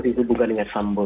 dihubungkan dengan sambo